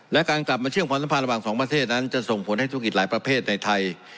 และการกลับมาเชื่อมความสัมพันธ์ระหว่างสองประเทศนั้นจะส่งผลให้ธุรกิจหลายประเภทในไทย